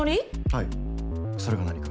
はいそれが何か？